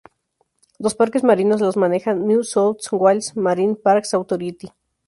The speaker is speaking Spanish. Los Parques Marinos los maneja New South Wales Marine Parks Authority.